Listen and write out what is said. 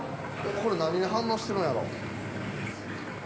これ何に反応してるんやろう？